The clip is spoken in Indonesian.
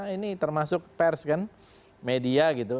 ini termasuk pers kan media gitu